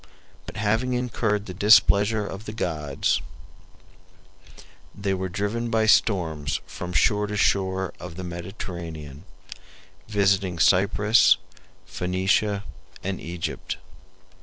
But having incurred the displeasure of the gods they were driven by storms from shore to shore of the Mediterranean, visiting Cyprus, Phoenicia, and Egypt.